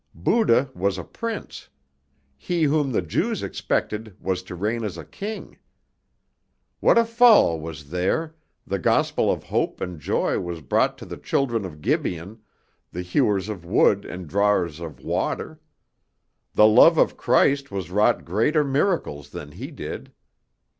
Buddha was a prince; he whom the Jews expected was to reign as a king. What a fall was there! the gospel of hope and joy was brought to the children of Gibeon, the hewers of wood and drawers of water. The love of Christ has wrought greater miracles than He did.